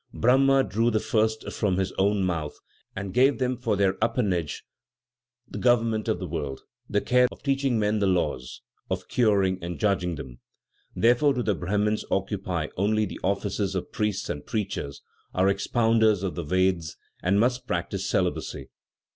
Brahma drew the first from his own mouth, and gave them for their appanage the government of the world, the care of teaching men the laws, of curing and judging them. Therefore do the Brahmins occupy only the offices of priests and preachers, are expounders of the Vedas, and must practice celibacy.